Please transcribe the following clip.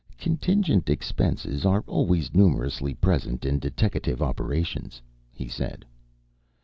"Contingent expenses are always numerously present in deteckative operations," he said.